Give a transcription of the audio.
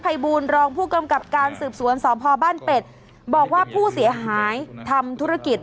รองผู้กำกับการสืบสวนสพบ้านเป็ดบอกว่าผู้เสียหายทำธุรกิจ